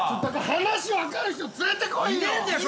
話分かる人連れてこいよ！